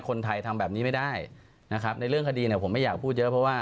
คนไทยทำแบบนี้ไม่ได้นะครับในเรื่องคดีเนี่ยผมไม่อยากพูดเยอะเพราะว่า